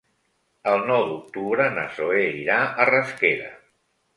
El nou d'octubre na Zoè irà a Rasquera.